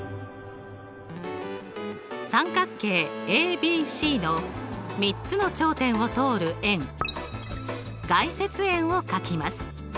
ＡＢＣの３つの頂点を通る円外接円を書きます。